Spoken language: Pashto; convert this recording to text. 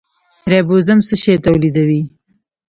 رایبوزوم څه شی تولیدوي؟